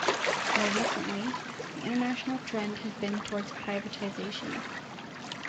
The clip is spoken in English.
More recently, the international trend has been towards privatization.